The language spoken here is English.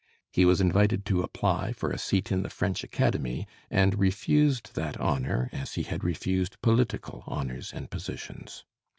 He was invited to apply for a seat in the French Academy, and refused that honor as he had refused political honors and positions.